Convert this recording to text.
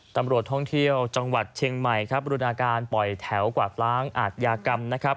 ตำรวจท่องเที่ยวจังหวัดเชียงใหม่ครับบรุณาการปล่อยแถวกวาดล้างอาทยากรรมนะครับ